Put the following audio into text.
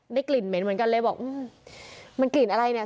กลิ่นเหม็นเหมือนกันเลยบอกอืมมันกลิ่นอะไรเนี่ย